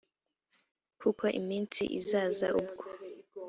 kuko iminsi izaza ubwo